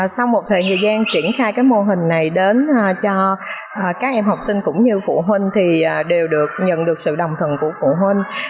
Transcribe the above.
sau một thời gian triển khai mô hình này đến cho các em học sinh cũng như phụ huynh thì đều được nhận được sự đồng thần của phụ huynh